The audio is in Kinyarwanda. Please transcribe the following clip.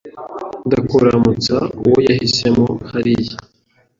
Ndakuramutsa uwo yahisemo hariya